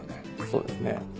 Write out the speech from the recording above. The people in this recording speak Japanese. そうですね。